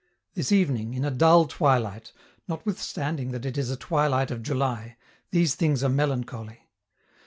This evening, in a dull twilight, notwithstanding that it is a twilight of July, these things are melancholy.